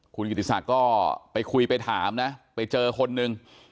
คุณกิติศักดิ์ก็ไปคุยไปถามนะไปเจอคนนึง